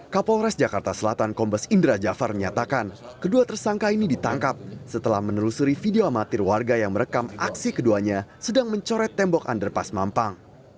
kapolres jakarta selatan kombes indra jafar menyatakan kedua tersangka ini ditangkap setelah menelusuri video amatir warga yang merekam aksi keduanya sedang mencoret tembok underpas mampang